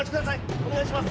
お願いします。